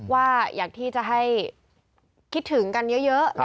ว่าอยากที่จะให้คิดถึงกันเยอะ